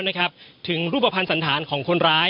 สำหรับตันผู้บุหรอร่อยใน่ตัวคนร้าย